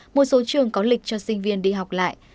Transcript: một số trường có lịch cho sinh viên đi học lại